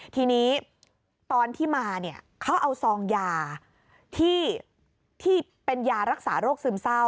ทีนี้ตอนที่มาเนี่ยเขาเอาซองยาที่เป็นยารักษาโรคซึมเศร้า